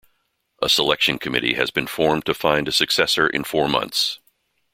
A selection committee has been formed to find a successor in four months.